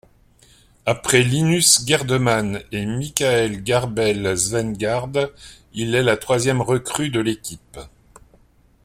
Après Linus Gerdemann et Michael Carbel Svendgaard, il est la troisième recrue de l'équipe.